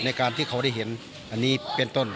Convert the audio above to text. ในการที่เขาได้เห็นอันนี้เป็นต้น